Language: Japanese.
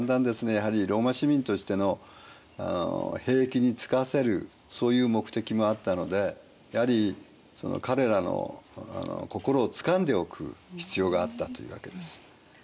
やはりローマ市民としての兵役につかせるそういう目的もあったのでやはり彼らの心をつかんでおく必要があったというわけです。